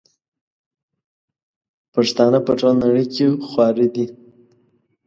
پښتانه په ټوله نړئ کي خواره دي